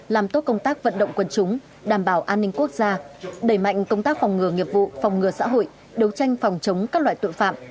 làm tốt công tác vận động quân chúng đảm bảo an ninh quốc gia đẩy mạnh công tác phòng ngừa nghiệp vụ phòng ngừa xã hội đấu tranh phòng chống các loại tội phạm